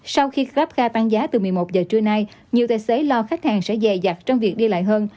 sau khi grabkha tăng giá từ một mươi một giờ trưa nay nhiều tài xế lo khách hàng sẽ dè dặt trong việc đi lại hơn